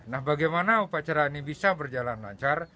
nah bagaimana upacara ini bisa berjalan lancar